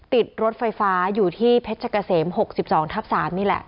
ติดรถไฟฟ้าอยู่ที่เพชรเกษม๖๒ทับ๓นี่แหละ